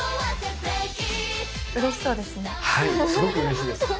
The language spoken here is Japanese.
うれしそうですね。